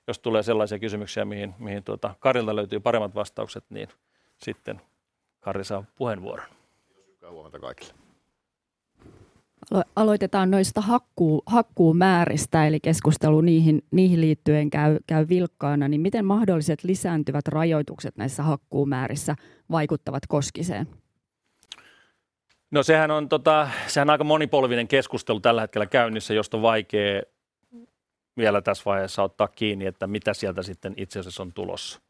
jos tulee sellaisia kysymyksiä mihin Karrilta löytyy paremmat vastaukset, niin sitten Karri saa puheenvuoron. Kiitos Jukka ja huomenta kaikille! Aloitetaan noista hakkuumääristä, eli keskustelu niihin liittyen käy vilkkaana, niin miten mahdolliset lisääntyvät rajoitukset näissä hakkuumäärissä vaikuttavat Koskiseen? Sehän on aika monipolvinen keskustelu tällä hetkellä käynnissä, josta on vaikee vielä täs vaiheessa ottaa kiinni, että mitä sieltä sitten itse asiassa on tulossa.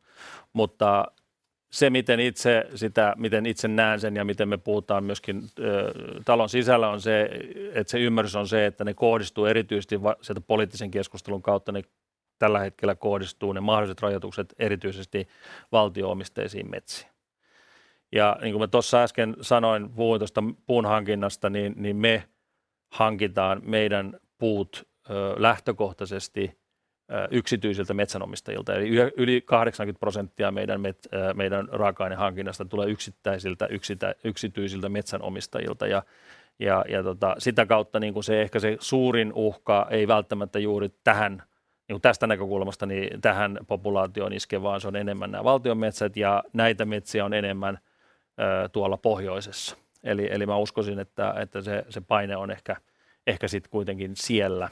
Se, miten itse sitä, miten itse näen sen ja miten me puhutaan myöskin talon sisällä on se, et se ymmärrys on se, että ne kohdistuu erityisesti sieltä poliittisen keskustelun kautta ne tällä hetkellä kohdistuu ne mahdolliset rajoitukset erityisesti valtio-omisteisiin metsiin. Niin kuin mä tuossa äsken sanoin, puhuin tuosta puun hankinnasta, niin me hankitaan meidän puut lähtökohtasesti yksityisiltä metsänomistajilta. Yli 80% meidän raaka-ainehankinnasta tulee yksityisiltä metsänomistajilta ja sitä kautta niinku se ehkä se suurin uhka ei välttämättä juuri tähän niinku tästä näkökulmasta niin tähän populaatioon iske, vaan se on enemmän nää valtionmetsät ja näitä metsiä on enemmän tuolla pohjoisessa. Mä uskoisin, että se paine on ehkä sit kuitenkin siellä.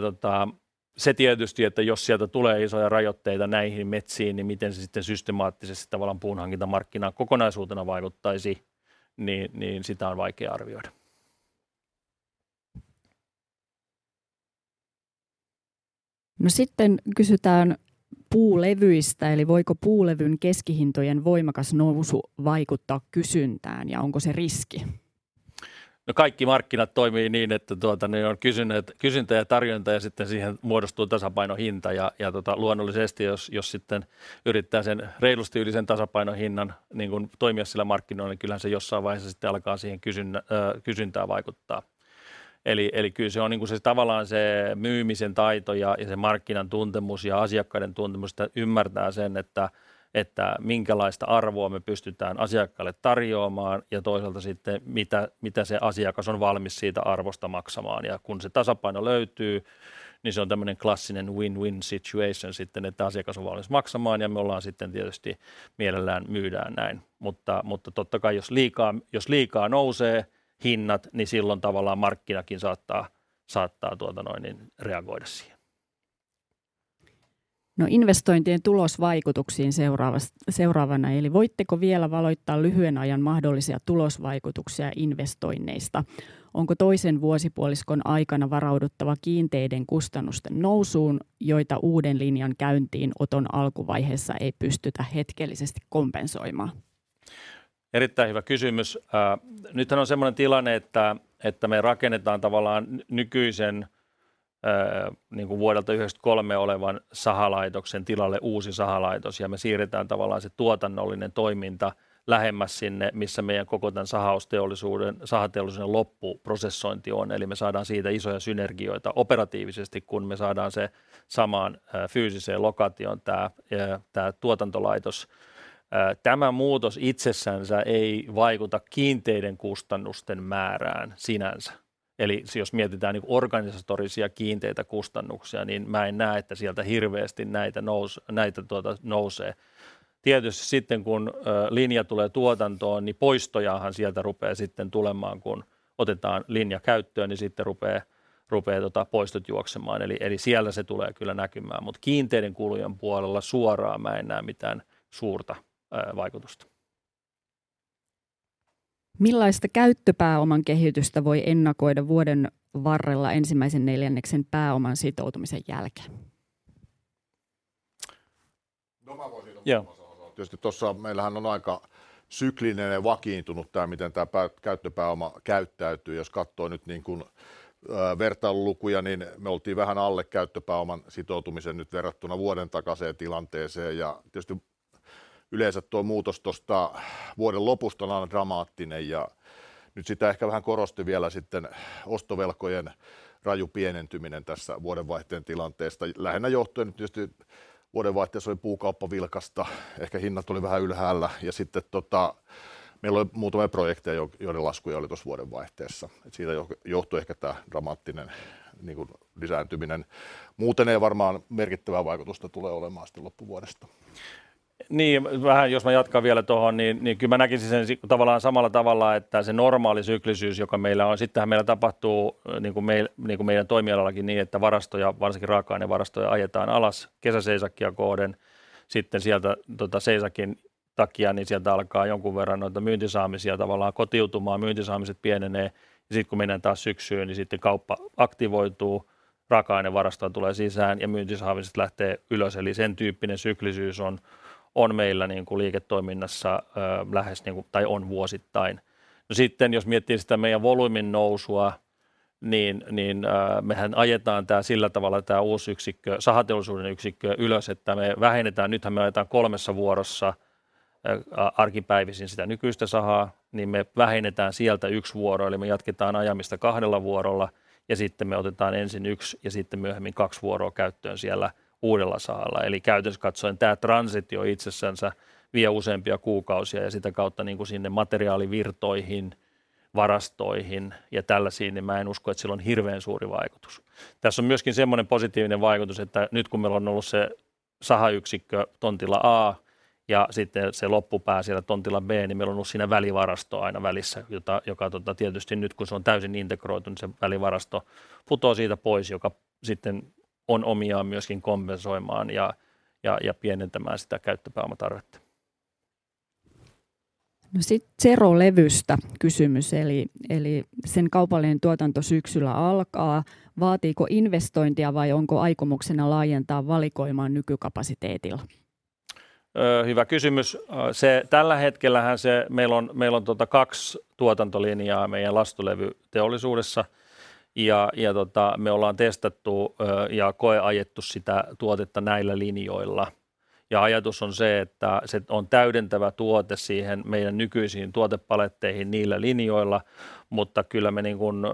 Tota se tietysti, että jos sieltä tulee isoja rajoitteita näihin metsiin, niin miten se sitten systemaattisesti tavallaan puunhankintamarkkinaa kokonaisuutena vaikuttaisi, niin sitä on vaikea arvioida. Sitten kysytään puulevyistä. Voiko puulevyn keskihintojen voimakas nousu vaikuttaa kysyntään ja onko se riski? No kaikki markkinat toimii niin, että ne on kysyntä ja tarjonta ja sitten siihen muodostuu tasapainohinta. Ja luonnollisesti jos sitten yrittää sen reilusti yli sen tasapainohinnan niin kun toimia sillä markkinoilla, niin kyllähän se jossain vaiheessa sitten alkaa siihen kysyntään vaikuttaa. Eli kyllä se on niinku se tavallaan se myymisen taito ja se markkinan tuntemus ja asiakkaiden tuntemus, että ymmärtää sen, että minkälaista arvoa me pystytään asiakkaalle tarjoamaan ja toisaalta sitten mitä se asiakas on valmis siitä arvosta maksamaan. Kun se tasapaino löytyy, niin se on tämmönen klassinen win win situation sitten, että asiakas on valmis maksamaan ja me ollaan sitten tietysti mielellään myydään näin. Mutta tottakai jos liikaa nousee hinnat, niin silloin tavallaan markkinakin saattaa reagoida siihen. Investointien tulosvaikutuksiin seuraavana, eli voitteko vielä valoittaa lyhyen ajan mahdollisia tulosvaikutuksia investoinneista? Onko toisen vuosipuoliskon aikana varauduttava kiinteiden kustannusten nousuun, joita uuden linjan käyntiin oton alkuvaiheessa ei pystytä hetkellisesti kompensoimaan? Erittäin hyvä kysymys. Nythän on semmonen tilanne, että me rakennetaan tavallaan nykyisen niinku vuodelta 1993 olevan sahalaitoksen tilalle uusi sahalaitos ja me siirretään tavallaan se tuotannollinen toiminta lähemmäs sinne, missä meidän koko tän sahateollisuuden loppuprosessointi on. Me saadaan siitä isoja synergioita operatiivisesti, kun me saadaan se samaan fyysiseen lokaatioon tää tuotantolaitos. Tämä muutos itsessään ei vaikuta kiinteiden kustannusten määrään sinänsä. Jos mietitään niinku organisatorisia kiinteitä kustannuksia, niin mä en näe, että sieltä hirveästi näitä nousee. Tietysti sitten kun linja tulee tuotantoon, niin poistojahan sieltä rupee sitten tulemaan kun otetaan linja käyttöön, niin sitten rupee poistot juoksemaan. Siellä se tulee kyllä näkymään, mut kiinteiden kulujen puolella suoraan mä en näe mitään suurta vaikutusta. Millaista käyttöpääoman kehitystä voi ennakoida vuoden varrella ensimmäisen neljänneksen pääoman sitoutumisen jälkeen? No mä voin siitä saman saa tietysti. Tossa meillähän on aika syklinen ja vakiintunut tää miten tää pää käyttöpääoma käyttäytyy. Jos kattoo nyt niinkun vertailulukuja, niin me oltiin vähän alle käyttöpääoman sitoutumisen nyt verrattuna vuoden takaiseen tilanteeseen. Tietysti yleensä tuo muutos tosta vuoden lopusta on aina dramaattinen ja nyt sitä ehkä vähän korosti vielä sitten ostovelkojen raju pienentyminen tässä vuodenvaihteen tilanteessa, lähinnä johtuen tietysti vuodenvaihteessa oli puukauppa vilkasta, ehkä hinnat oli vähän ylhäällä ja sitten meillä oli muutamia projekteja, joiden laskuja oli tuossa vuodenvaihteessa. Siitä johtui ehkä tää dramaattinen niinkun lisääntyminen. Muuten ei varmaan merkittävää vaikutusta tule olemaan sitten loppuvuodesta. Vähän jos mä jatkan vielä tohon, kyllä mä näkisin sen tavallaan samalla tavalla, että se normaali syklisyys, joka meillä on, sittenhän meillä tapahtuu niinku meidän toimialallakin, että varastoja, varsinkin raaka-ainevarastoja ajetaan alas kesäseisakkia kohden. Sieltä seisakin takia sieltä alkaa jonkun verran noita myyntisaamisia tavallaan kotiutumaan. Myyntisaamiset pienenee kun mennään taas syksyyn kauppa aktivoituu, raaka-ainevarastoja tulee sisään ja myyntisaamiset lähtee ylös. Sen tyyppinen syklisyys on meillä liiketoiminnassa lähes tai on vuosittain. Jos miettii sitä meidän volyymin nousua, mehän ajetaan tää sillä tavalla tää uusi yksikkö sahateollisuuden yksikkö ylös, että me vähennetään, nythän me ajetaan 3 vuorossa arkipäivisin sitä nykyistä sahaa, me vähennetään sieltä 1 vuoro. Me jatketaan ajamista 2 vuorolla me otetaan ensin 1 ja myöhemmin 2 vuoroa käyttöön siellä uudella sahalla. Käytännössä katsoen tää transitio itsessänsä vie useampia kuukausia ja sitä kautta niinku sinne materiaalivirtoihin, varastoihin ja tällaisiin, niin mä en usko, että sillä on hirveän suuri vaikutus. Tässä on myöskin semmonen positiivinen vaikutus, että nyt kun meillä on ollut se sahayksikkö tontilla A ja sitten se loppupää siellä tontilla B, niin meillä on ollut siinä välivarasto aina välissä, jota tietysti nyt kun se on täysin integroitu, niin se välivarasto putoaa siitä pois, joka sitten on omiaan myöskin kompensoimaan ja pienentämään sitä käyttöpääoman tarvetta. Zero levystä kysymys eli sen kaupallinen tuotanto syksyllä alkaa. Vaatiiko investointia vai onko aikomuksena laajentaa valikoimaa nykykapasiteetilla? Hyvä kysymys. Se tällä hetkellähän se meillä on, meillä on 2 tuotantolinjaa meidän lastulevyteollisuudessa ja me ollaan testattu ja koeajettu sitä tuotetta näillä linjoilla. Ajatus on se, että se on täydentävä tuote siihen meidän nykyisiin tuotepaletteihin niillä linjoilla. Kyllä me niinkun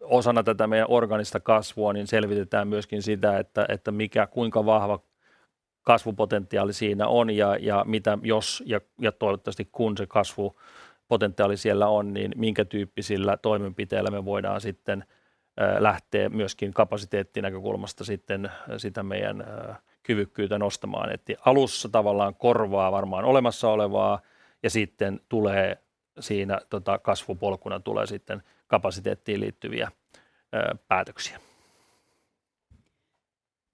osana tätä meidän orgaanista kasvua niin selvitetään myöskin sitä, että mikä kuinka vahva kasvupotentiaali siinä on ja mitä jos ja toivottavasti kun se kasvupotentiaali siellä on, niin minkä tyyppisillä toimenpiteillä me voidaan sitten lähteä myöskin kapasiteettinäkökulmasta sitten sitä meidän kyvykkyyttä nostamaan, että alussa tavallaan korvaa varmaan olemassa olevaa ja sitten tulee siinä kasvupolkuna tulee sitten kapasiteettiin liittyviä päätöksiä.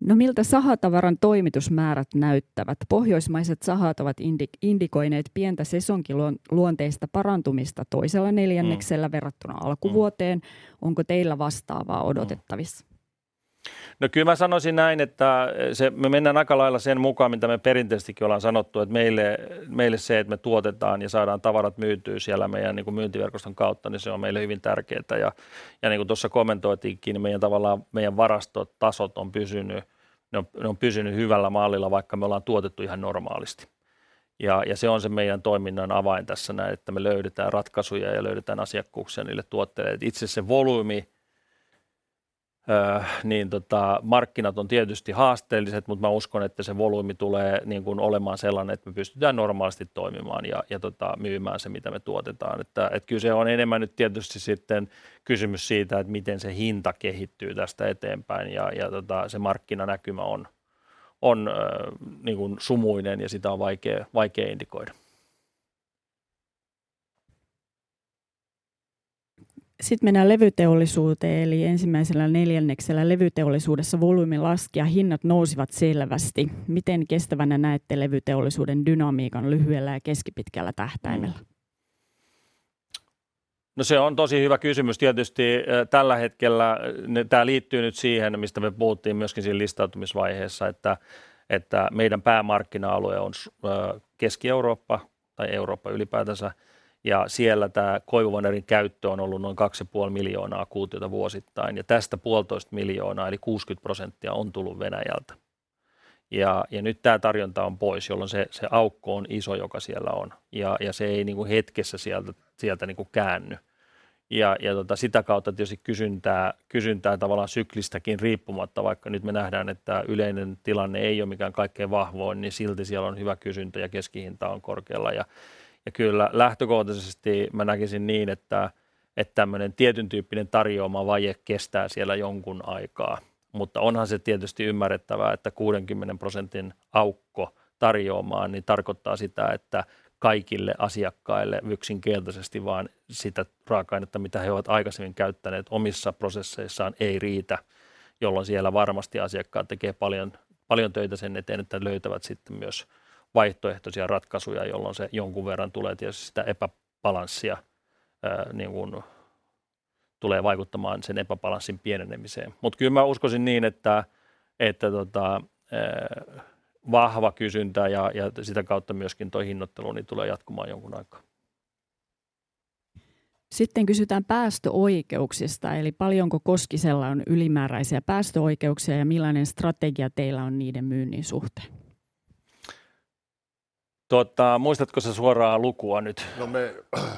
No miltä sahatavaran toimitusmäärät näyttävät? Pohjoismaiset sahat ovat indikoineet pientä sesonki luonteista parantumista toisella neljänneksellä verrattuna alkuvuoteen. Onko teillä vastaavaa odotettavissa? Kyllä mä sanoisin näin, että se me mennään aikalailla sen mukaan, mitä me perinteisestikin ollaan sanottu, että meille se, että me tuotetaan ja saadaan tavarat myytyy siellä meidän niinku myyntiverkoston kautta, niin se on meille hyvin tärkeetä. Niinku tuossa kommentoitiinkin, niin meidän tavallaan meidän varastotasot on pysynyt, ne on pysynyt hyvällä mallilla, vaikka me ollaan tuotettu ihan normaalisti, ja se on se meidän toiminnan avain tässä näin, että me löydetään ratkaisuja ja löydetään asiakkuuksia niille tuotteille. Itse se volyymi, niin tota markkinat on tietysti haasteelliset, mutta mä uskon, että se volyymi tulee niinkun olemaan sellainen, että me pystytään normaalisti toimimaan ja tota myymään se mitä me tuotetaan. Kyl se on enemmän nyt tietysti sitten kysymys siitä, että miten se hinta kehittyy tästä eteenpäin. Tota se markkinanäkymä on niinkun sumuinen ja sitä on vaikea indikoida. Mennään levyteollisuuteen eli ensimmäisellä neljänneksellä levyteollisuudessa volyymi laski ja hinnat nousivat selvästi. Miten kestävänä näette levyteollisuuden dynamiikan lyhyellä ja keskipitkällä tähtäimellä? No se on tosi hyvä kysymys. Tietysti tällä hetkellä tää liittyy nyt siihen, mistä me puhuttiin myöskin siinä listautumisvaiheessa, että meidän päämarkkina-alue on Keski-Eurooppa tai Eurooppa ylipäätänsä, ja siellä tää koivuvanerin käyttö on ollut noin 2.5 million kuutiota vuosittain ja tästä 1.5 million eli 60% on tullut Venäjältä. Nyt tää tarjonta on pois, jolloin se aukko on iso joka siellä on ja se ei niinku hetkessä sieltä niinku käänny. Tota sitä kautta tietysti kysyntää tavallaan syklistäkin riippumatta, vaikka nyt me nähdään, että yleinen tilanne ei ole mikään kaikkein vahvin, niin silti siellä on hyvä kysyntä ja keskihinta on korkealla. Kyllä lähtökohtaisesti mä näkisin niin, että tämmönen tietyntyyppinen tarjoomavaje kestää siellä jonkun aikaa. Onhan se tietysti ymmärrettävää, että 60% aukko tarjoomaan niin tarkoittaa sitä, että kaikille asiakkaille yksinkertaisesti vaan sitä raaka-ainetta, mitä he ovat aikaisemmin käyttäneet omissa prosesseissaan, ei riitä, jolloin siellä varmasti asiakkaat tekee paljon töitä sen eteen, että löytävät sitten myös vaihtoehtoisia ratkaisuja, jolloin se jonkun verran tulee tietysti sitä epäbalanssia niin tulee vaikuttamaan sen epäbalanssin pienenemiseen. Kyl mä uskoisin niin, että tota vahva kysyntä ja sitä kautta myöskin toi hinnoittelu niin tulee jatkumaan jonkun aikaa. Kysytään päästöoikeuksista, eli paljonko Koskisella on ylimääräisiä päästöoikeuksia ja millainen strategia teillä on niiden myynnin suhteen? Tuota, muistatko sä suoraan lukua nyt? Me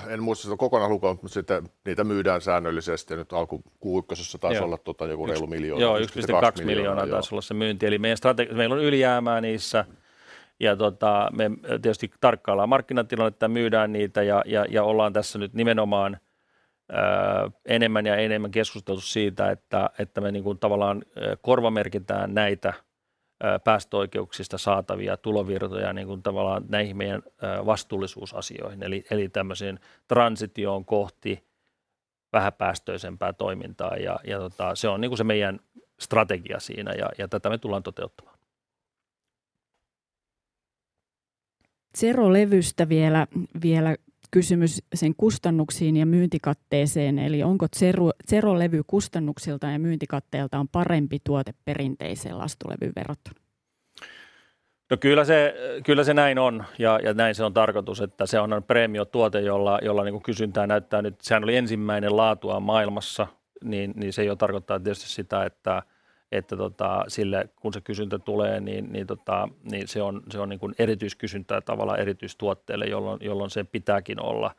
en muista sitä kokonaan lukua, mutta sitä, niitä myydään säännöllisesti ja nyt alku Q1 taisi olla joku reilu EUR 1 million. EUR 1.2 miljoonaa taisi olla se myynti, eli meidän meil on ylijäämää niissä, ja tota me tietysti tarkkaillaan markkinatilannetta ja myydään niitä. Ollaan tässä nyt nimenomaan enemmän ja enemmän keskusteltu siitä, että me niinkun tavallaan korvamerkitään näitä päästöoikeuksista saatavia tulovirtoja niinkun tavallaan näihin meidän vastuullisuusasioihin eli tämmöseen transitioon kohti vähäpäästöisempää toimintaa. Tota se on niinku se meidän strategia siinä ja tätä me tullaan toteuttamaan. Zero levystä vielä kysymys sen kustannuksiin ja myyntikatteeseen. Onko Zero levy kustannuksiltaan ja myyntikatteeltaan parempi tuote perinteiseen lastulevyyn verrattuna? Kyllä se näin on ja näin se on tarkoitus, että se on preemiotuote, jolla niinku kysyntää näyttää nyt, sehän oli ensimmäinen laatuaan maailmassa, niin se jo tarkoittaa tietysti sitä, että sille kun se kysyntä tulee, niin se on niinkun erityiskysyntää tavallaan erityistuotteelle, jolloin sen pitääkin olla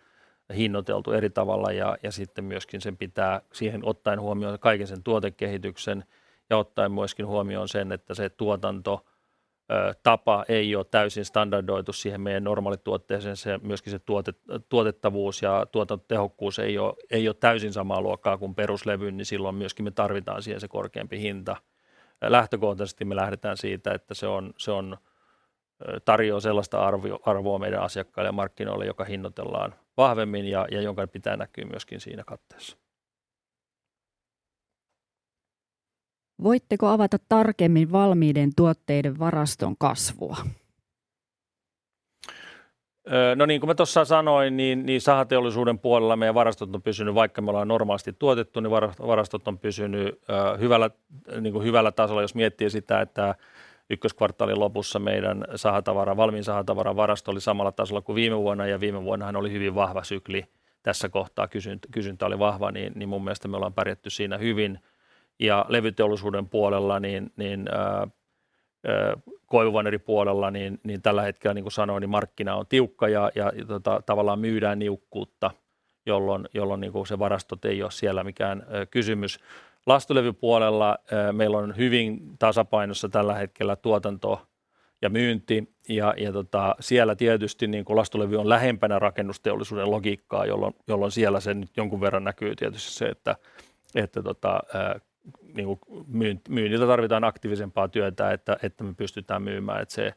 hinnoiteltu eri tavalla. Sitten myöskin sen pitää siihen ottaen huomioon kaiken sen tuotekehityksen ja ottaen myöskin huomioon sen, että se tuotanto tapa ei oo täysin standardoitu siihen meidän normaalituotteeseen, tuotettavuus ja tuotantotehokkuus ei oo täysin samaa luokkaa kuin peruslevyn, niin silloin myöskin me tarvitaan siihen se korkeampi hinta. Lähtökohtaisesti me lähdetään siitä, että se on tarjoo sellasta arvoa meidän asiakkaille ja markkinoille, joka hinnoitellaan vahvemmin ja jonka pitää näkyä myöskin siinä katteessa. Voitteko avata tarkemmin valmiiden tuotteiden varaston kasvua? No niin kuin mä tuossa sanoin, niin sahateollisuuden puolella meidän varastot on pysynyt, vaikka me ollaan normaalisti tuotettu, niin varastot on pysynyt hyvällä niinku hyvällä tasolla. Jos miettii sitä, että ykköskvartaalin lopussa meidän sahatavara, valmiin sahatavaran varasto oli samalla tasolla kuin viime vuonna ja viime vuonnahan oli hyvin vahva sykli tässä kohtaa, kysyntä oli vahva, niin mun mielestä me ollaan pärjätty siinä hyvin. Levyteollisuuden puolella niin koivuvaneripuolella niin tällä hetkellä niin kuin sanoin, niin markkina on tiukka ja tavallaan myydään niukkuutta, jolloin niinku se varastot ei oo siellä mikään kysymys. Lastulevypuolella meillä on hyvin tasapainossa tällä hetkellä tuotanto ja myynti ja siellä tietysti niinku lastulevy on lähempänä rakennusteollisuuden logiikkaa, jolloin siellä se nyt jonkun verran näkyy tietysti se, että myynniltä tarvitaan aktiivisempaa työtä, että me pystytään myymään, et se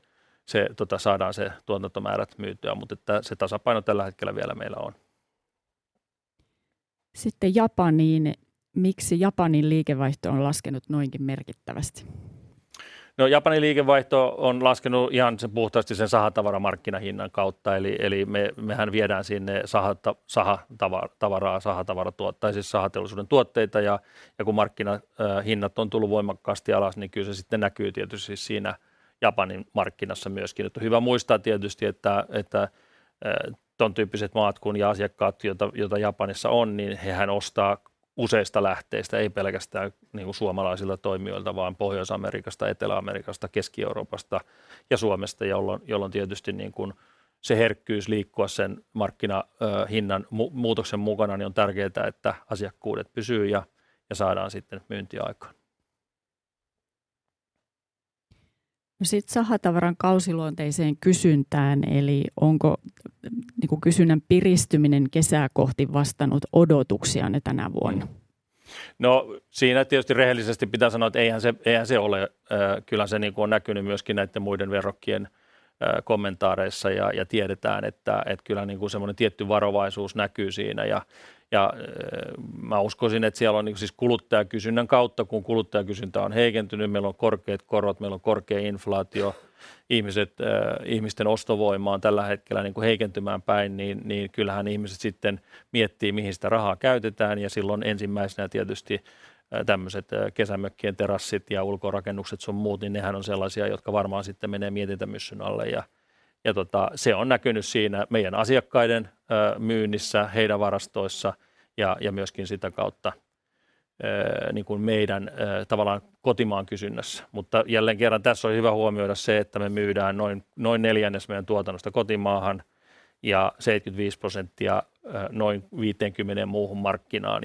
saadaan se tuotantomäärät myytyä, mutta että se tasapaino tällä hetkellä vielä meillä on. Japaniin. Miksi Japanin liikevaihto on laskenut noinkin merkittävästi? Japanin liikevaihto on laskenut ihan se puhtaasti sen sahatavaramarkkinahinnan kautta. Eli mehän viedään sinne sahatavaraa, siis sahateollisuuden tuotteita. Ja kun markkina hinnat on tullut voimakkaasti alas, niin kyllä se sitten näkyy tietysti siinä Japanin markkinassa myöskin. On hyvä muistaa tietysti, että ton tyyppiset maat kun ja asiakkaat, jota Japanissa on, niin hehän ostaa useista lähteistä, ei pelkästään niinku suomalaisilta toimijoilta vaan Pohjois-Amerikasta, Etelä-Amerikasta, Keski-Euroopasta ja Suomesta, jolloin tietysti niinkun se herkkyys liikkua sen markkina hinnan muutoksen mukana niin on tärkeetä, että asiakkuudet pysyy ja saadaan sitten myynti aikaan. Sit sahatavaran kausiluonteiseen kysyntään. Onko niinkun kysynnän piristyminen kesää kohti vastannut odotuksianne tänä vuonna? Siinä tietysti rehellisesti pitää sanoa, että eihän se ole. Kyllähän se niinkun on näkynyt myöskin näitten muiden verrokkien kommentaareissa ja tiedetään, että et kyllä niinkun semmonen tietty varovaisuus näkyy siinä. Mä uskoisin, että siellä on niinkun siis kuluttajakysynnän kautta, kun kuluttajakysyntä on heikentynyt, meillä on korkeet korot, meillä on korkee inflaatio, ihmiset ihmisten ostovoima on tällä hetkellä niinku heikentymään päin, niin kyllähän ihmiset sitten miettii mihin sitä rahaa käytetään ja silloin ensimmäisenä tietysti tämmöset kesämökkien terassit ja ulkorakennukset sun muut, niin nehän on sellaisia, jotka varmaan sitten menee mietintämyssyn alle ja se on näkynyt siinä meidän asiakkaiden myynnissä, heidän varastoissa ja myöskin sitä kautta niinkun meidän tavallaan kotimaan kysynnässä. Jälleen kerran tässä on hyvä huomioida se, että me myydään noin neljännes meidän tuotannosta kotimaahan ja 75% noin 50 muuhun markkinaan.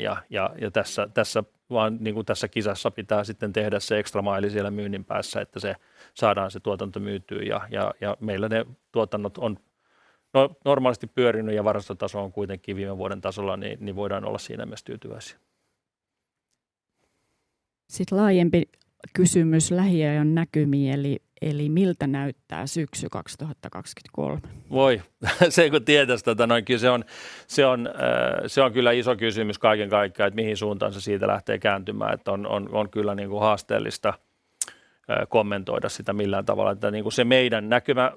Tässä vaan niinku tässä kisassa pitää sitten tehdä se extra maili siellä myynnin päässä, että se saadaan se tuotanto myytyy ja meillä ne tuotannot on normaalisti pyörinyt ja varastotaso on kuitenkin viime vuoden tasolla, niin voidaan olla siinä myös tyytyväisiä. laajempi kysymys lähiajan näkymiin eli miltä näyttää syksy 2023? Voi se kun tietäs. Kyllä se on kyllä iso kysymys kaiken kaikkiaan, mihin suuntaan se siitä lähtee kääntymään. On kyllä niinku haasteellista kommentoida sitä millään tavalla, että niinku se meidän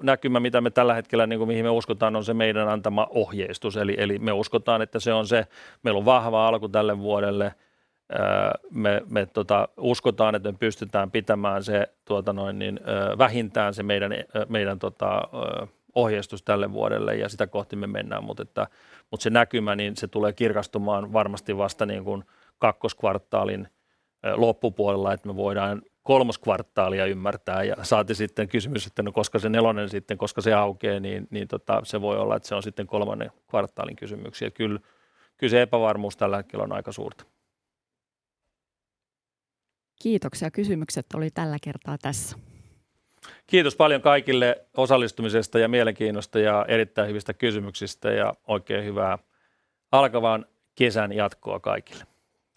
näkymä mitä me tällä hetkellä niinku mihin me uskotaan, on se meidän antama ohjeistus. Eli me uskotaan, että se on se, meillä on vahva alku tälle vuodelle. Me uskotaan, että me pystytään pitämään se tuota noin niin vähintään se meidän ohjeistus tälle vuodelle ja sitä kohti me mennään. Se näkymä, niin se tulee kirkastumaan varmasti vasta niin kun kakkoskvartaalin loppupuolella, me voidaan kolmoskvartaalia ymmärtää ja saati sitten kysymys, että no koska se nelonen sitten, koska se aukee, tota se voi olla, että se on sitten kolmannen kvartaalin kysymyksiä. Kyl, kyl se epävarmuus tällä hetkellä on aika suurta. Kiitoksia! Kysymykset oli tällä kertaa tässä. Kiitos paljon kaikille osallistumisesta ja mielenkiinnosta ja erittäin hyvistä kysymyksistä ja oikein hyvää alkavan kesän jatkoa kaikille!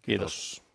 Kiitos!